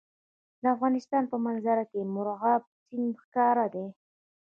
د افغانستان په منظره کې مورغاب سیند ښکاره ده.